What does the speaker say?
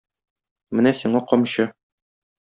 Менә сиңа камчы.